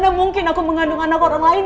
gimana mungkin aku mengandung anak orang lain